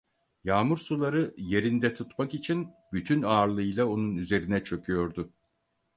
Yağmur suları yerinde tutmak için bütün ağırlığıyla onun üzerine çöküyordu.